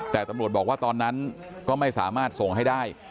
แต่ตำรวจบอกว่าตอนนั้นก็ไม่สามารถส่งให้ได้